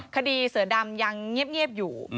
คดีเสือดำยังเงียบอยู่